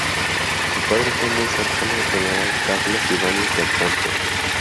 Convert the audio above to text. Su padre fue muy cercano al General Carlos Ibáñez del Campo.